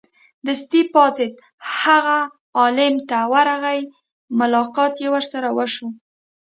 دستې پاڅېد هغه عالم ت ورغی ملاقات یې ورسره وشو.